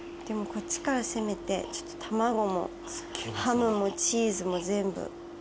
でもこっちから攻めて卵もハムもチーズも全部。